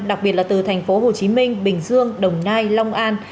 đặc biệt là từ thành phố hồ chí minh bình dương đồng nai long an